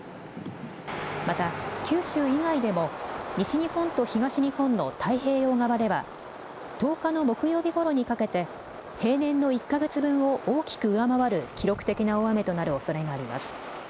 また九州以外でも西日本と東日本の太平洋側では１０日の木曜日ごろにかけて平年の１か月分を大きく上回る記録的な大雨となるおそれがあります。